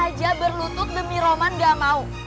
aja berlutut demi roman gak mau